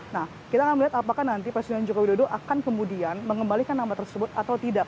nah kita akan melihat apakah nanti presiden joko widodo akan kemudian mengembalikan nama tersebut atau tidak